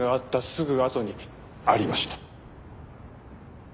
すぐあとにありました。